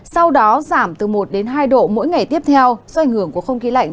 sau đó giảm từ một đến hai độ mỗi ngày tiếp theo do ảnh hưởng của không khí lạnh